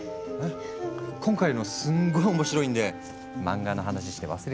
今回のすんごい面白いんで漫画の話して忘れましょね。